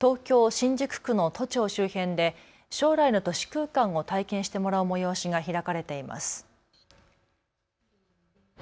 新宿区の都庁周辺で将来の都市空間を体験してもらう催しが開かれています。